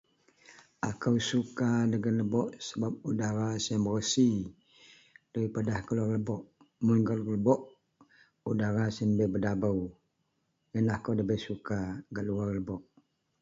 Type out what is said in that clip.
Akou suka dagen lebok sebab udara siyen bersi daripada keluwar lebok mun gak luwar lebok udara siyen bedabou jadi akou debei suka keluwar lebok